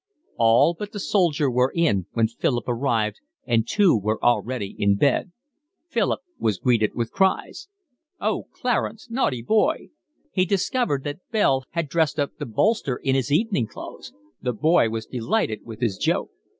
All but the soldier were in when Philip arrived and two were already in bed. Philip was greeted with cries. "Oh, Clarence! Naughty boy!" He discovered that Bell had dressed up the bolster in his evening clothes. The boy was delighted with his joke.